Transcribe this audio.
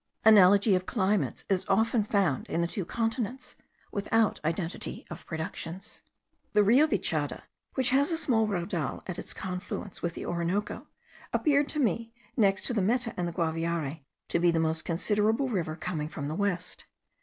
Analogy of climates is often found in the two continents, without identity of productions. The Rio Vichada, which has a small raudal at its confluence with the Orinoco, appeared to me, next to the Meta and the Guaviare, to be the most considerable river coming from the west.